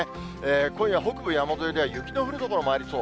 今夜、北部山沿いでは雪の降る所もありそう。